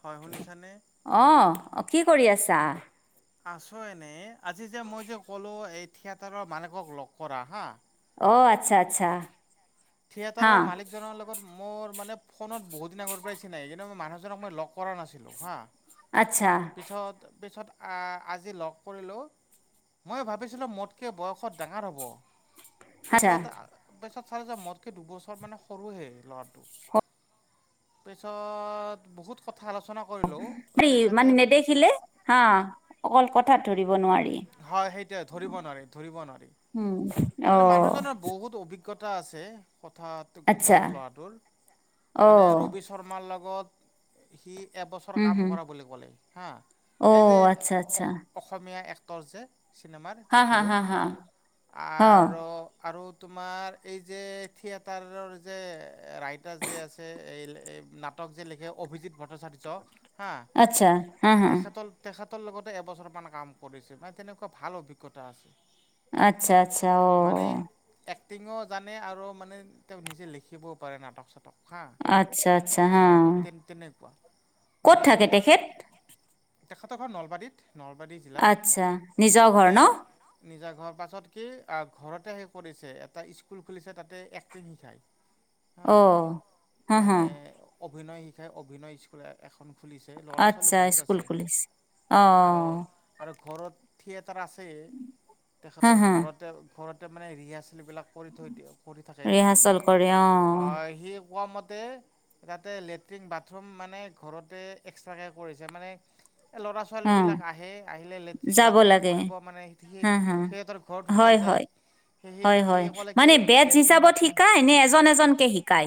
হয় শুনিছানে? অঁ কি কৰি আছা? আছো এনেই আজি যে মই যে ক'লোঁ এই থিয়েটাৰৰ মালিকক লগ কৰা হা অ আটচ্ছা আটচ্ছা থিয়েটাৰৰ মালিকজনৰ লগত মোৰ মানে ফোনত বহুত দিন আগৰ পৰাই চিনাই কিন্তু মই মানুহ জনক মই লগ কৰা নাছিলোঁ হা আটচ্ছা পিছত পিছত আজি লগ কৰিলোঁ মই ভাবিছিলোঁ মোতকৈ বয়সত ডাঙৰ হ'ব। আচ্ছা পিছত পিছত চালো যে মোতকে দুবছৰ মান সৰুহে ল'ৰাটো পিছত বহুত কথা আলোচনা কৰ হেৰি মানে নেদেখিলে হা অকল কথাত ধৰিব নোৱাৰি হয় সেইটোয়ে ধৰিব নোৱাৰি ধৰিব নোৱাৰি উম, মানে অ' মানুহজনৰ বহুত অভি জ্ঞতা আছে কথাত গম আচ্ছা পালোঁ ল'ৰাটোৰ মানে অ' ৰবি শৰ্মাৰ লগত সি এবছৰ উম, কাম হম কৰা বুলি ক'লে হা। এই যে অ' আচ্ছা আচ্ছা অস অসমীয়া এক্টৰ যে। চিনেমাৰ হা হা সিৰৌ, হা হা অ' আৰু আৰু তোমাৰ এই যে থিয়েটাৰৰ যে ৰাইটাৰ যে আছে এই নাট টক যে লিখে অভিজিত ভট্টাচাৰ্য হা, আচ্ছা হা হা তেখেতৰ-তেখেতৰ লগতে এবছৰমান কাম কৰিছিল পাই তেনেকোৱা ভাল অভিজ্ঞতা আছে। আটচ্ছা আটচ্ছা অ অ এক্টিংও জানে আৰু মানে তেওঁ নিজে লিখিবও পাৰে নাটক চাতক। হা আচ্ছা আচ্ছা হা মানে তে তেনেকুৱা ক'ত মানে থাকে মই তেখেত? তেখেতৰ ঘৰ নলবাৰীত নলবাৰী জিলাত আটচ্ছা। মানে নিজা ঘৰ পাছত কি ঘৰতে আহি কৰিছে এটা স্কুল খুলিছে তাতে এক্টিং শিকাই। হ অ' হা হা মানে অভিনয় শিক্ষাই অভিনয় স্কুল এ এখন খুলিছে ল'ৰা-ছোৱালী আচ্ছা বহুত স্কুল আছে খুলিছে আৰু অ' আৰু ঘৰত থিয়েটাৰ আছেই হা তেখেতৰ হা ঘৰতে, ঘৰতে মানে ৰিহাৰ্ছেলবিলাক কৰি থৈ দিয়ে কৰি থাকে ৰিহাৰ্চেল কৰে অ হে কোৱামতে ইয়াতে লেট্ৰিন বাথৰুম মানে ঘৰতে এক্সট্ৰাকে কৰিছে মানে ল'ৰা -ছোৱালী অ বিলাক আহে। আহিলে লেট্ৰিন যাব বাথৰুম লাগে কৰিব মানে হে হা হা সিহঁতৰ ঘৰত হয় সোমাই যায়। হয় সি হয়, সি হয় ক'লে কি মানে বেচ লেট্ৰিন হিচাপে বাথৰুম শিকাই নে এজন এজনকে শিকাই।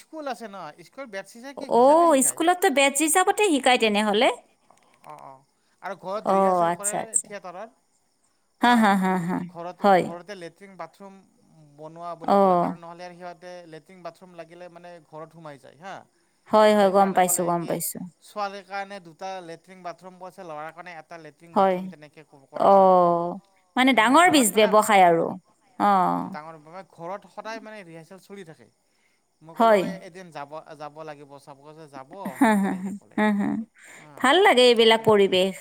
স্কুল আছে ন স্কুল বেচ নে কি হিচাবে শিকাই। বেট হিচাপতে শিকাই তেনেহলে। অ', অ', আৰু ঘৰত অ ৰিহাৰ্চেল আচ্ছা কৰে আচ্ছা থিয়েটাৰত। হা হা অ', হা হা ঘৰতে হয় ঘৰতে ল লেটিন, বাথৰুম বনোৱা বুলি অ ক'লে কাৰণ নহ'লে আৰু তে লেট্ৰিন, বাথৰুম লাগিলে মানে ঘৰত সোমাই যায় হা, হয় হয় গম সেকৰ্নে পাইছো কলে গম কি পাইছো ছোৱালীৰ কাৰণে দুটা লেট্ৰিন, বাথৰুম আছে ল'ৰাৰ কাৰণে এ এটা লেটিন, হয় বাথৰুম তেনেকে অ কৰাবলৈ কলে, মানে উম ডাঙৰ ঘৰত বিজ মানে ব্যৱসায় আৰু অ উম, ডাঙৰ বাবা। ঘৰত সদায় মানে ৰিহাৰ্চেল চলি থাকে, মই ক'লো হয় এদিন যাব-যাব লাগিব পাপ কৈছে যাব। হ, হ, তেনেকৈ ক'লে হ, হ, ভাল লাগে এইবিলাক তাৰপিছত পৰিৱেশ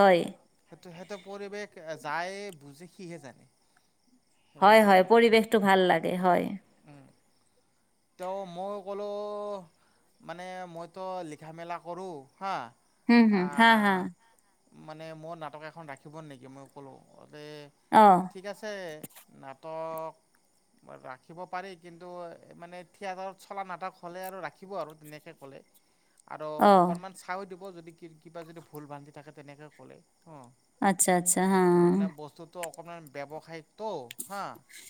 হয়। সেইটো, সেইটো পৰিৱেশ যায় বুজি সিহে জানে। সেই হয়, হয় পৰিৱেশটো ভাল লাগে হয়। উম। তেওঁ মই ক'লোঁ মানে মইতো লিখা মেলা কৰোঁ হা। হম, হুম হা, হা। মানে মোৰ নাটক এখন ৰাখিব নেকি মই ক'লোঁ যে অ'। ঠিক আছে নাটক, ৰাখিব পাৰি কিন্তু মানে থিয়েটাৰত চলা নাটক হ'লে আৰু ৰাখিব আৰু ধুনীয়া যে কলে আৰু অকমান চা দিব যদি কিবা যদি ভুল বান্ধি থাকে তেনেকে ক'লে অ'। মানে বস্তুটো অকণমান ববিবেচনাটো হা।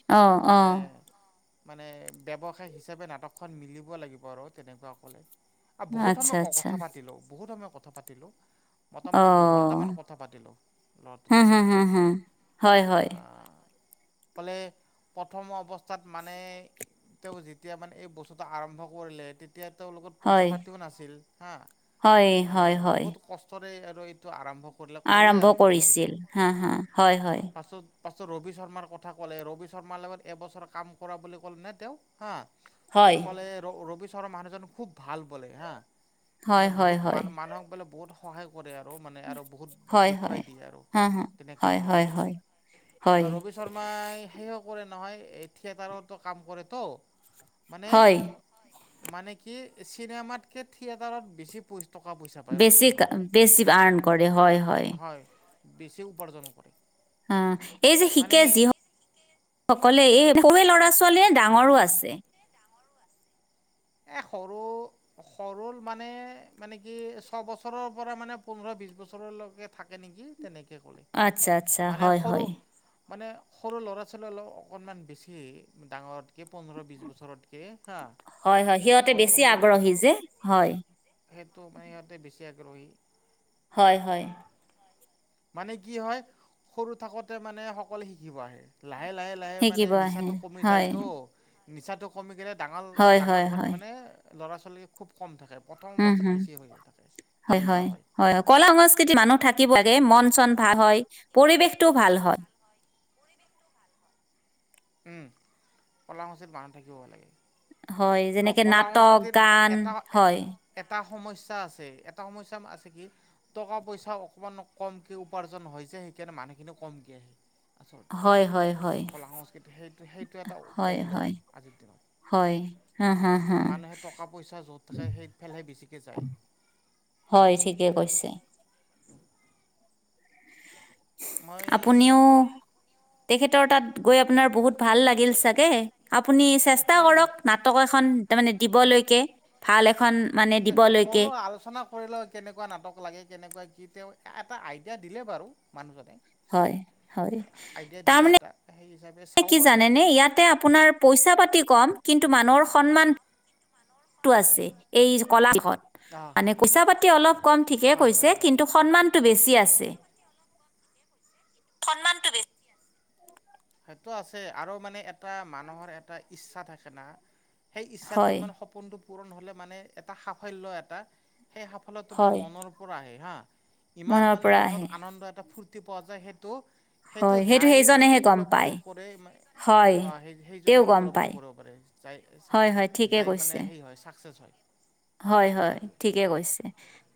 অ', মানে, অ', মানে। ব্যৱসায় হিচাবে নাটকখন মিলিব লাগিব আৰু তেনেকুৱা ক'লে। আৰু বহুত আচ্ছা, সময় আচ্ছা। কথা পাতিলোঁ বহুত সময় কথা পাতিলোঁ। অটোমেটিক দুই অ', ঘণ্টামান কথা পাতিলোঁ হু, ল'ৰাটোৰ হু, লগত। হু, হু। হয়, হয়। অক'লে প্ৰথম অৱস্থাত মানে তেওঁক যেতিয়া মানে এই বস্তুতটো আৰম্ভ কৰিলে তেতিয়া তেওঁৰ লগত পইচা হয়, পাতিও নাছিল হা হয়, মানে হয়, হয়। বহুত কষ্টৰে আৰু আৰম্ভ কৰিলে ক'লে আৰম্ভ আৰু কথাখিনি কৰিছিল। হা, হা। হয়, হয়। পাছত। পাছত ৰবি শৰ্মাৰ কথা ক'লে ৰবি শৰ্মাৰ লগত এবছৰ কাম কৰা বুলি ক'লে নে তেওঁ হা হয়। ক'লে ৰবি শৰ্মা মানুহজন খুব ভাল বোলে হা। হয়, মানে হয়, বহুত হয়। মানুহ মানুহক বোলে বহুত সহায় কৰে আৰু মানে আৰু বহুত হয়, দেখুৱাই হয়। দিয়ে আৰু হা, হা। তেনেকৈ হয়, ক'লে। হয়, হয়। হয়। ৰবি শৰ্মাই সে কৰে নহয় থিয়েটাৰত কাম কৰেতো মানে হয়। মানে কি চিনেমাতকে থিয়েটাৰত বেছি প টকা পইচা পায় ৰবি বেছি কা বেছি আৰ্ণ কৰে। হয়, শৰ্মাই হয় বেছি উপাৰ্জন কৰে। অ' এই যে মানে শিকে যি সকলে এই সৰুে ল'ৰা -ছোৱালীয়ে ডাঙৰো আছে। এ সৰু সৰুৰ মানে, মানে কি ছবছৰৰ পৰা মানে পোন্ধৰ বিছ বছৰলৈকে থাকে নেকি? তেনেকে ক'লে, আচ্ছা, আচ্ছা। মানে হয়, হয়। সৰু মানে সৰু ল'ৰা-ছোৱালী অলপ অকণমান বেছি, ডাঙৰতকৈ পোন্ধৰ বিছ বছৰতকৈ হা। হয় হয়, সিহঁতে সৰু বেছি সৰু আগ্ৰহী সৰু যে হয়। সেইটো হ'ব পাৰে, সিহঁতে বেছি আগ্ৰহী। হয় হয়। মানে কি হয়, সৰু থাকোঁতে মানে সকলোৱে শিকিব আহে। লাহে লাহে লাহে মানে শিকিব আহে নিচাটো কমি হয় যায়তো। নিচাটো কমি গ'লে ডাঙৰ, হয় ডাঙৰ হয় হোৱাত হয় মানে ল'ৰা ছোৱালী খুব খং থাকে, প্ৰথম উম অৱস্থাত হম বেছি হৈ থাকে তেনেকুৱা হয়। কলা-সংস্কৃতিৰ মানুহ থাকিব লাগে। মন চন ভাল হয়, পৰিৱেশটো ভাল হয়। উম্, কলাসূচীত মানুহ থাকিব লাগে। হয় যেনেকে নাটক কলা-সংস্কৃতিৰ গান এটা হয় এটা সমস্যা আছে, এটা সমস্যা আছে কি? টকা-পইচা অকণমান কমকৈ উপাৰ্জন হয় যে, সেইকাৰণে মানুহখিনিও কমকৈ আহে। আচলতে, হয় হয় হয় কলা-সংস্কৃতিৰ সেইটো সেইটো এটা হয় হয় প্ৰব্লেম আজিৰ দিনত। হয়, হা হা! হা মানুহে টকা-পইচা য'ত থাকে, সেইফালেহে বেছিকৈ যায়। হয়, সেইটোৱে ঠিকেই কৈছে! মই আপুনিও, তেখেতৰ তাত গৈ আপোনাৰ বহুত ভাল লাগিল চাগে। আপুনি চেষ্টা হয় কৰক, হয় নাটক এখন তাৰমানে দিবলৈকে ভাল এখন। মানে দিবলৈকে সকলো আলোচনা ধৰি লওঁক, কেনেকুৱা নাটক লাগে। কেনেকুৱা কি তেওঁ এটা আইডিয়া দিলে বাৰু মানুহজনে। হয় হয়, আইডিয়া তাৰ দিলে এটা সেই হিচাপে মানে চাওঁ কি বাৰু জানেনে, ইয়াতে আপোনাৰ। পইচা পাতি কম, কিন্তু মানুহৰ সন্মান টো আছে, এই কলাষত অঁ মানে পইচা-পাতি অলপ কম ঠিকে হয় কৈছে। হয় হয় কিন্তু সন্মানটো বেছি আছে। সন্মানটো বেছি সেইটো আছে আৰু মানে এটা মানুহৰ এটা ইচ্ছা থাকে না, সেই ইচ্ছাটো হয় মানে সপোনটো পূৰণ হ'লে মানে, এটা সাফল্য এটা। সেই সাফল্যটো মানে হয় মনৰ হা, ইমান মনৰ মানে পৰা মনত আহে আনন্দ এটা ফুৰ্তি পোৱা যায়। সেইটো সেইটো হয় যাই মানে সেইজনেহে গম উপলব্ধি পায় কৰে, হয় সেই তেওঁ সেইজনে গম উপলব্ধি পায় কৰিব পাৰে। হয় হয় যায়। ঠিকে যায় কৈছে মানে সেই হয় চাস্কেছ হয়, হয় হয় সেইটোৱে। ঠিকে কৈছে,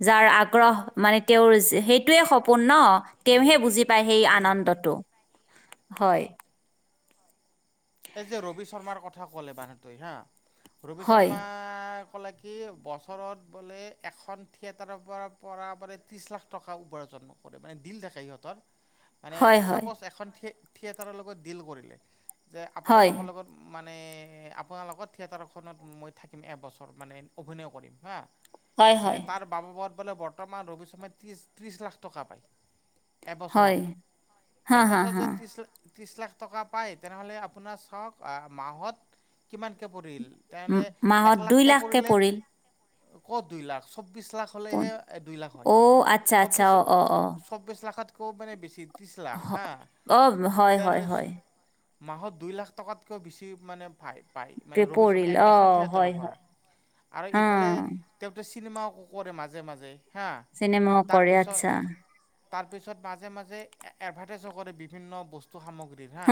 যাৰ আগ্ৰহ মানে তেওঁৰ সেইটোয়ে সপোন ন! তেওঁহে সেইটো বুজি পায় সেই আনন্দটো, হয়। এই যে ৰবি শৰ্মাৰ কথা ক'লে মানুহটোৱে হা, ৰবি হয় শৰ্মা এ ক'লে, কি বছৰত বোলে এখন থিয়েটাৰৰ পৰা পৰা বোলে ত্ৰিছ লাখ টকা উপাৰ্জন কৰে, মানে দিল দেখে সিহঁতৰ। মানে হয় হয় ছাপ'জ এখন থিয়েটাৰৰ লগত ডিল কৰিলে, যে হয়, আপোনালোকৰ লগত মানে আপোনালোকৰ থিয়েটাৰখনত মই থাকিম, এবছৰ মানে অভিনয় কৰিম হা। হয়, মানে হয়, তাৰ বাববত বোলে, বৰ্তমান ৰবি শৰ্মাই ত্ৰিশ ত্ৰিশ লাখ টকা পায়। হয়, এবছৰত, হা, হা, এবছৰত হা, যদি ত্ৰিশ লাখ ত্ৰিছ লাখ টকা পায়, তেনেহ'লে আপোনাৰ চাওঁক মাহত কিমানকে পৰিল। তেতিয়া হ'লে, ম- মাহত একলাখ দুই কে লাখকে পৰিলে পৰিল ক'ত দুই লাখ, চৌবিছ লাখ পোন হ'লেহে দুই লাখ হয় অ' আচ্ছা, আচ্ছা, চৌ্বিছ অ', অ', অ', চৌব্বিছ লাখতকৈও মানে বেছি। তিছ লাখ হা হ- অ', হয়, তেতিয়া হয়, হ'লে। হয়, মাহত দুই লাখ টকাতকৈ বেছি মানে পায়। পায় মানে পে- ৰবি শৰ্মা পৰিল এখন অ' হয়, থিয়েটাৰৰ পৰা হয়, আৰু হা, ইফালে। তেওঁত চিনেমাও কৰে মাজে মাজে হা চিনেমাও কৰে তাৰপিছত। আচ্ছা, তাৰ পিছত মাজে মাজে এডভাৰ্টাইজো কৰে বিভিন্ন বস্তু সামগ্ৰীৰ হা।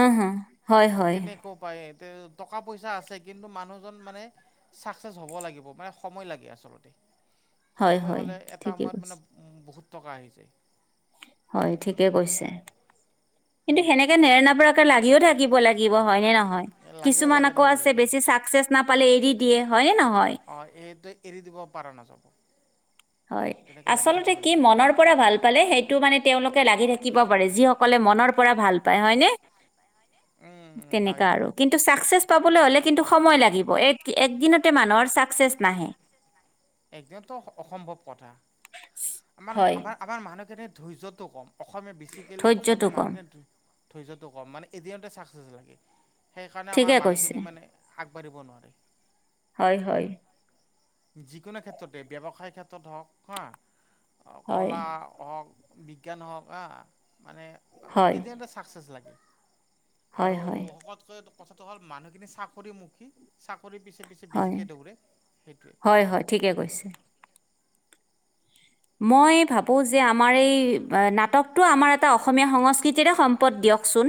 তেনেকৈ পায় এ টকা পইচা আছে কিন্তু মানুহজন মানে। ছাকচেছ হ'ব লাগিব মানে সময় লাগে আচলতে হয়, সময় হয়, হ'লে এটা ঠিকে সময়ত মানে। কৈছে, বহুত টকা আহিছে। হয় ঠিকে কৈছে কিন্তু উম সেনেকে নেৰানেপেৰা। লাগিও থাকিব লাগিব হয় নে নহয়। লাগে কিছুমান লাগে আকৌ থাকিব আছে লাগিব বেছি চাকচেচ নাপালে এৰি দিয়ে হয়ে নহয়। অ এইটোয়ে। এৰি দিব পৰা নাযাব। হয় তেনেকে লাগি আচলতে থাকিব কি লাগিব মনৰ। পৰা ভাল পালে সেইটো মানে তেওঁলোকে লাগি থাকিব পাৰে যিসকলে মনৰ পৰা ভাল পায় হয় নে। উম উম হয় তেনেকা হয় আৰু কিন্তু চাকচেচ পাবলৈ হলে কিন্তু সময় লাগিব এক একদিনত। টে মানুহৰ ছাকচেচ নাহে। একদিনতো অসম্ভৱ কথা। আমাৰ হয় আমাৰ আমাৰ মানুহখিনিৰ ধৈৰ্য্যটো কম অসমীয়া বেছিকেলি ধৈৰ্য্যটো অসমীয়া কম মানুহখিনি। ধৈৰ্যটো কম মান এদিনতে ছাকচেছ লাগে। সেইকাৰণে আমাৰ ঠিকে কৈছে মানুহখিনি মানে আগবাঢ়িব নোৱাৰে। হয় হয় যিকোনো ক্ষেত্ৰতে ব্যৱসায়ৰ ক্ষেত্ৰত হওঁক হা। হয় কলা হওঁক বিজ্ঞান হওঁক হা মানে। হয় এদিনতে চাকচেছ লাগে হয় আৰু হয় শকতকৈ। কথাটো হ'ল মানুহখিনি চাকৰিমুখী চাকৰি পিছে পিছে হয় বেছিকে দৌৰে সেইটোৱে। হয় হয় ঠিকে কৈছে। মই ভাবোঁ যে আমাৰ এই নাটকটো আমাৰ এটা অসমীয়া সংস্কৃতিৰে সম্পদ দিয়কচোন।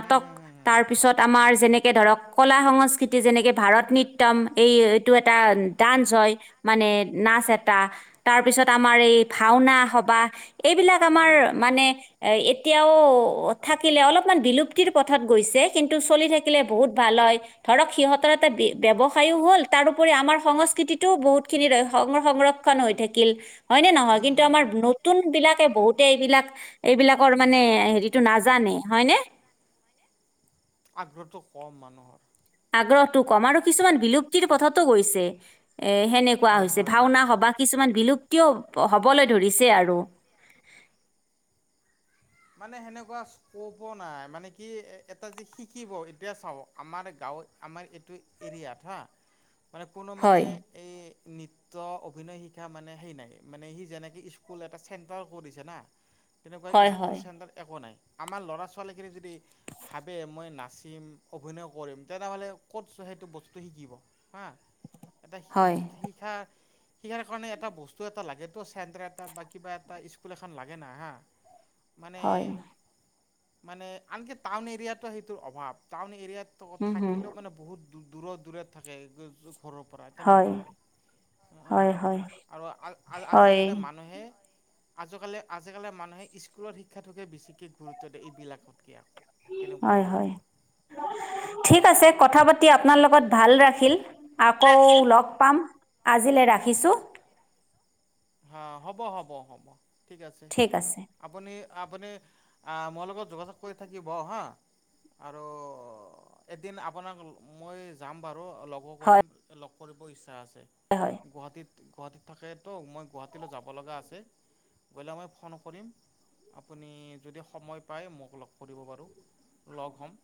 হুম হুম তাৰ পিছত আমাৰ যেনেকে ধৰক কলা সংস্কৃতি যেনেকে ভাৰত নৃত্যৰ। তম এই এইটো এটা ডান্স হয় মানে নাচ এটা তাৰপিছত। আমাৰ এই ভাওনা সবাহ এইবিলাক হুম হুম উম আমাৰ মানে এতিয়াও। থাকিলে অলপমান বিলুপ্তিৰ পথত গৈছে কিন্তু চলি থাকিলে বহুত ভাল হয়। ধৰক সিহঁতৰ এটা ব্যৱসায়ও হ'ল তাৰোপৰি আমাৰ সংস্কৃতিতটোও বহুতখিনি সং সংক্ষ। হৈ থাকিল হয় নে নহয় উম কিন্তু উম আমাৰ নতুন বিলাকে বহুত। এইবিলাক এইবিলাকৰ মানে হেৰিতটো নাজানে হয়নে। আগ্ৰহটো কম মানুহৰ। আগ্ৰহটো কম আৰু কিছুমান বিলুপ্তিৰ পঠতো গৈছে এ সেনেকুৱা হয় হৈছে হয় ভাওনা সবাহ। কিছুমান বিলুপ্তিও হ'বলৈ ধৰিছে আৰু। মানে হেনেকুৱা। ক'ব নাই মানে কি এটা যে শিকিব এইটোৱে চাব আমাৰ গাঁৱ আমাৰ এইটো। হেৰিয়াত হা মানে কোনো মানে হয় এই নৃ। অভিনয় শিক্ষা মানে হে নাই মানে সি যেনেকে স্কুল এটা চেণ্টাৰ কৰি দিছে না। তেনেকুৱা হয় স্কুল হয় চেণ্টাৰ একো নাই আমাৰ ল'ৰা- ছোৱালীখিনি যদি। ভাবে মই নাচিম অভিনয় কৰিম তেনেহ'লে ক'তছো সেইটো বস্তু শিকিব। হা এটা শিক্ষা হয় শিক্ষা। সিকাৰ কাৰণে এটা বস্তু এটা লাগেতো চেণ্টাৰ এটা বা কিবা এটা স্কুল এখন লাগে না। মানে, হয় মানে আনকি টাউন এৰিয়াতো সেইটোৰ অভাৱ, টাউন এৰিয়াত ত হুম হুম থাকিলেও মানে বহুত দূ দূৰত দূৰত থাকে গে জ ঘৰৰ পৰা তেনেকুৱা হয়। অ অ হয় হয় আৰু আ হয় আজিকালি মানুহে আজকালি আজিকালিৰ মানুহে স্কুলৰ শিক্ষাটোকে বেছিকৈ গুৰুত্ব দিয়ে এইবিলাকতকে আকৌ। তেনেকুৱা হয় হয়, আৰু ঠিক আছে কথা পাতি আপোনাৰ লগত ভাল ৰাখিল। আকৌ লগ পাম আজিলে ৰাখিছোঁ। হা, হ'ব হ'ব হ'ব ঠিক আছে। আপুনি আপুনি আ মোৰ লগত যোগাযোগ কৰি থাকিব হা? আৰু এদিন আপোনাক মই যাম বাৰু লগো হয় কৰিম। ত লগ কৰিব ইচ্ছা আছে, হয় হয় গুৱাহাটীত - গুৱাহাটীত থাকেতো মই গুৱাহাটীলৈ যাব লগা আছে, গ'লে মই ফোন কৰিম। আপুনি যদি সময় পায়, মোক লগ কৰিব বাৰু লগ হ'ম।